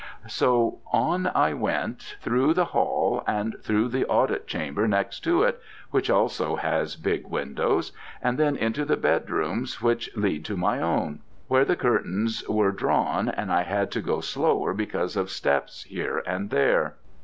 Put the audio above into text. So on I went through the hall and through the audit chamber next to it, which also has big windows, and then into the bedrooms which lead to my own, where the curtains were drawn, and I had to go slower because of steps here and there.